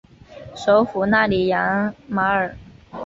首府纳里扬马尔。